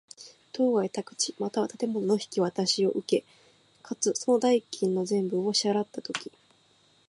当該宅地又は建物の引渡しを受け、かつ、その代金の全部を支払つたとき。